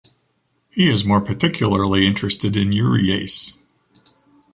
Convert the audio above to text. He is more particularly interested in urease.